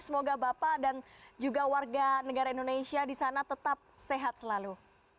semoga bapak dan juga warga negara indonesia di sana tetap sehat selalu